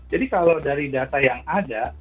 jadi kalau dari data yang ada